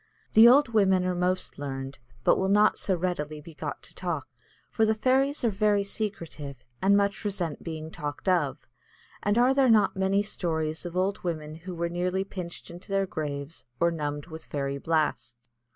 The old women are most learned, but will not so readily be got to talk, for the fairies are very secretive, and much resent being talked of; and are there not many stories of old women who were nearly pinched into their graves or numbed with fairy blasts?